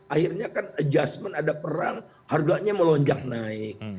akhirnya kan adjustment ada perang harganya melonjak naik